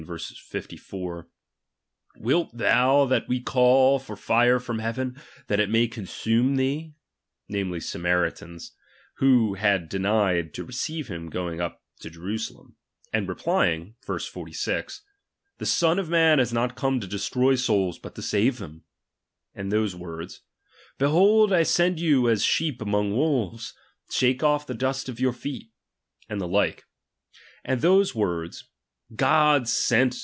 54) : Wilt thou that we call for fire from heaven, that it may con sume them 9 (namely the Samaritans, who had de nied to receive him going up to Jerusalem): and replying (verse 56), The Son if man is not come to destroy souls, hut to save them ; and those words : Behold I send you as sheep among wohes ; Shake off the dust of your feet ; and the like ; and those words, God sent